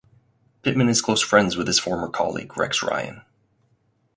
Pittman is close friends with his former colleague Rex Ryan.